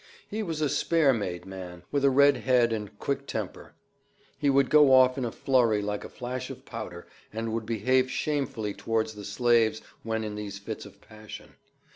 "He was a spare made man, with a red head and quick temper: he would go off in a flurry like a flash of powder, and would behave shamefully towards the slaves when in these fits of passion."